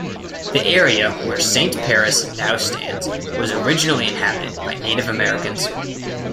The area where Saint Paris now stands was originally inhabited by Native Americans.